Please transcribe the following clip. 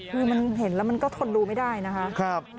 คือมันเห็นแล้วมันก็ทนดูไม่ได้นะคะ